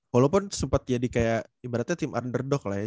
walaupun sempat jadi kayak ibaratnya tim underdog lah ya